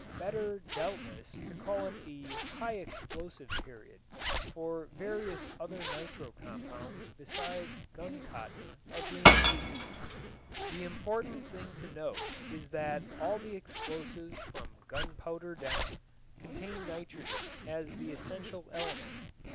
Better, doubtless, to call it the "high explosive period," for various other nitro compounds besides guncotton are being used. The important thing to note is that all the explosives from gunpowder down contain nitrogen as the essential element.